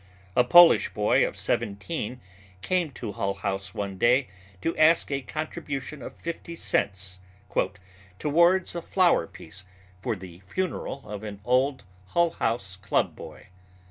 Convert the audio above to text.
A Polish boy of seventeen came to Hull House one day to ask a contribution of fifty cents "towards a flower piece for the funeral of an old Hull House club boy."